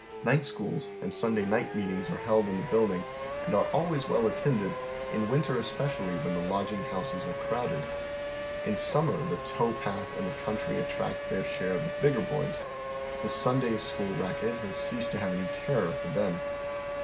Night schools and Sunday niglit meetings are held in the bnilding and are always well attended, in winter especi ally, when the lodging houses are crowded. In summer the tow path and the country attract their share of the bigger boys. The " Sunday school racket " has ceased to have teri'or for them.